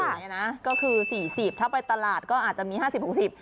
อันนี้นะก็คือสี่สิบถ้าไปตลาดก็อาจจะมีห้าสิบหกสิบ